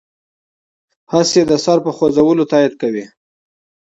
هسې د سر په خوځولو تایید کوي.